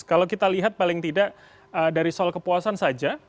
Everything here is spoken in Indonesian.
kalau kita lihat paling tidak dari soal kepuasan saja